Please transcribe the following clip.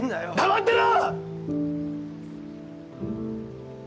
黙ってろ！